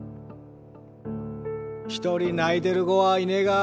一人泣いてる子はいねが。